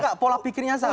bukan pola pikirnya salah